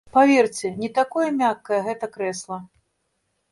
Паверце, не такое мяккае гэта крэсла.